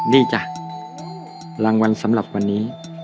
นี่จ้ะรางวัลสำหรับวันนี้